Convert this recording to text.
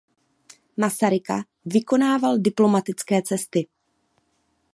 Masaryka vykonával diplomatické cesty.